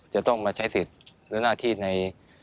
จะต้องมาใช้สิทธิ์หรือหน้าที่ใน